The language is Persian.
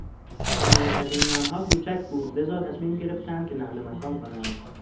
خانهی قدیمی آنها کوچک بود لذاتصمیم گرفتند که نقل مکان کنند.